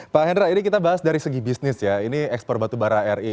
pak hendra ini kita bahas dari segi bisnis ya ini ekspor batubara ri